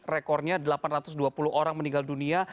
rekornya delapan ratus dua puluh orang meninggal dunia